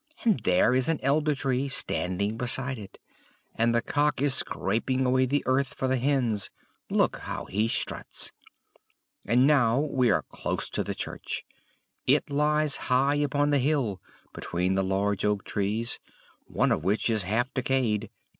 And there is an Elder Tree standing beside it; and the cock is scraping away the earth for the hens, look, how he struts! And now we are close to the church. It lies high upon the hill, between the large oak trees, one of which is half decayed.